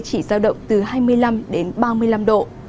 chỉ giao động từ hai mươi năm đến ba mươi năm độ